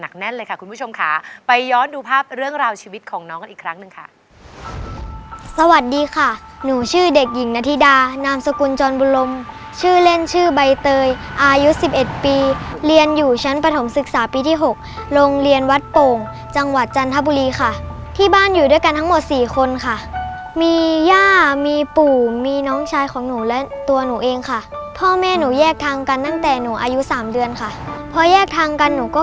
คุณผู้ชมค่ะไปย้อนดูภาพเรื่องราวชีวิตของน้องกันอีกครั้งหนึ่งค่ะสวัสดีค่ะหนูชื่อเด็กหญิงนธิดานามสกุลจรบุรมชื่อเล่นชื่อใบเตยอายุ๑๑ปีเรียนอยู่ชั้นปฐมศึกษาปีที่๖โรงเรียนวัดโป่งจังหวัดจันทบุรีค่ะที่บ้านอยู่ด้วยกันทั้งหมด๔คนค่ะมีย่ามีปู่มีน้องชายของหนูและตัวหนู